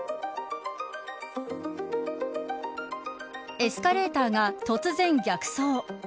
エスカレーターが突然逆走。